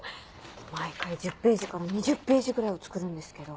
毎回１０ページから２０ページぐらいを作るんですけど。